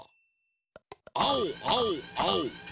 あおあおあお。